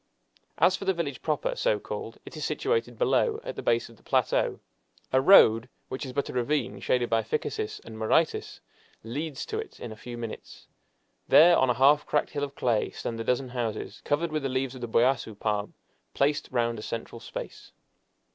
As for the village properly so called, it is situated below, at the base of the plateau. A road, which is but a ravine shaded by ficuses and miritis, leads to it in a few minutes. There, on a half cracked hill of clay, stand a dozen houses, covered with the leaves of the "boiassu" palm placed round a central space.